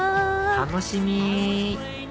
楽しみ！